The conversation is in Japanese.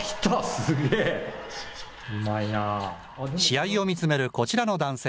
試合を見つめるこちらの男性。